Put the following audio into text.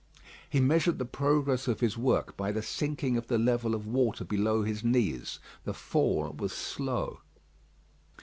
He measured the progress of his work by the sinking of the level of water below his knees. The fall was slow.